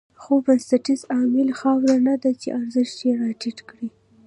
خو بنسټیز عامل خاوره نه ده چې ارزښت یې راټيټ کړی.